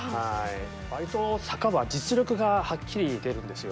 割と坂は実力がはっきり出るんですよ。